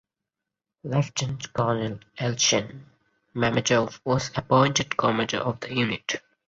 Lieutenant Colonel Elchin Mammadov was appointed commander of the unit.